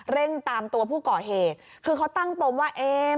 เร่งตามตัวผู้ก่อเหตุคือเขาตั้งปมว่าเอ๊